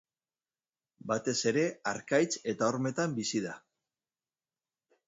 Batez ere harkaitz eta hormetan bizi da.